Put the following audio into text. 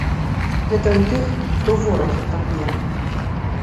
Гэта ў тых, хто ворагі, праблемы.